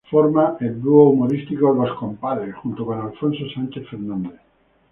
Forma el dúo humorístico "Los Compadres" junto con Alfonso Sánchez Fernández.